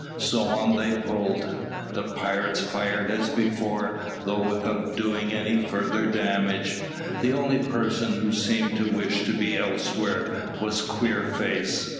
So on they pulled. The pirates fired as before, though without doing any further damage. The only person who seemed to wish to be elsewhere was Queerface.